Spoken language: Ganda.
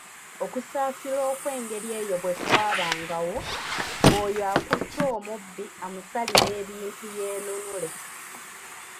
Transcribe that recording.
"Okusaasira okw’engeri eyo bwe kwabangawo, ng’oyo akutte omubbi amusalira ebintu yeenunule."